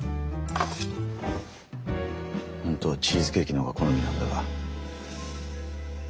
本当はチーズケーキの方が好みなんだが。